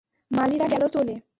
মালীরা গেল চলে।